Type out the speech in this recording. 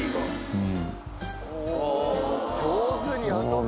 うん。